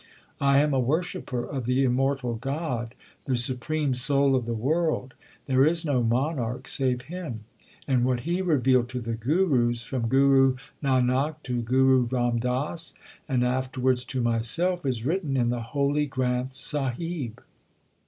I am a worshipper of the Immortal God, the Supreme Soul of the world. There is no monarch save Him ; and what He re 92 THE SIKH RELIGION vealed to the Gurus, from Guru Nanak to Guru Ram Das, and afterwards to myself, is written in the holy Granth Sahib.